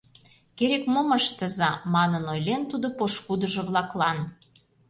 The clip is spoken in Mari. Керек-мом ыштыза, — манын ойлен тудо пошкудыжо-влаклан.